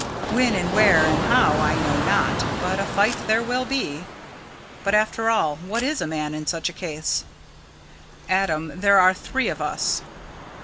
When and where and how I know not, but a fight there will be. But, after all, what is a man in such a case?" "Adam, there are three of us."